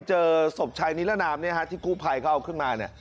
เจอศพชายนิรนามที่ครูภัยเขาเอาขึ้นมา